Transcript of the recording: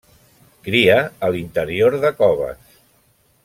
Cria a l'interior de coves.